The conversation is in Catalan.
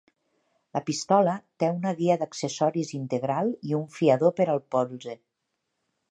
La pistola té una guia d'accessoris integral i un fiador per al polze.